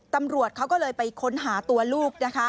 ตำรวจเขาก็เลยไปค้นหาตัวลูกนะคะ